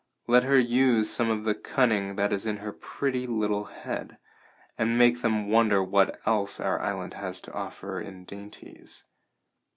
Let her use some of the cunning that is in her pretty little head, and make them wonder what else our island has to offer in dainties.